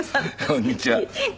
こんにちは。